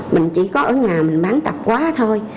mình chỉ có ở nhà mình bán tập quá thôi